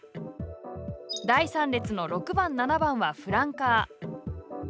第３列の６番、７番はフランカー。